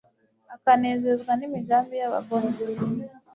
ukanezezwa n'imigambi y'abagome